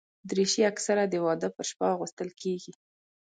دریشي اکثره د واده پر شپه اغوستل کېږي.